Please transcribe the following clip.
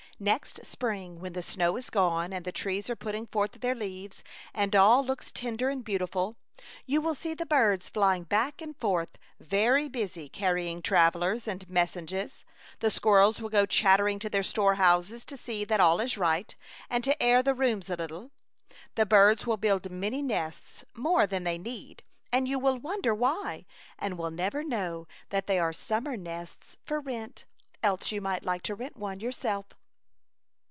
Next spring when the snow is gone and the trees are putting forth their leaves, and all looks tender and beau tiful, you will see the birds flying back and forth, very busy, carrying trav ellers and messages ; the squirrels will I02 A Chautauqua Idyl. go chattering to their store houses to see that all is right, and to air the rooms a lit tle; the birds will build many nests, " YOU WILL SEE THE BIRDS FLYING "1 O T e than BACK AND FORTH." ^^^ nCGd, and you will wonder why, and will never know that they are summer nests for rent, else you might like to rent one yourself.